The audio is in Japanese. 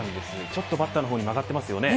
ちょっとバッターの方に曲がってますよね。